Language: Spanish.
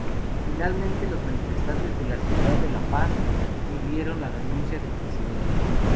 Finalmente, los manifestantes en la ciudad de La Paz pidieron la renuncia del presidente.